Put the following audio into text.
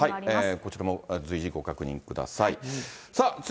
こちらも随時、ご確認ください。